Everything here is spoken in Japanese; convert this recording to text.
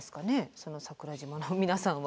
その桜島の皆さんは。